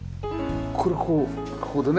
これこうここでね。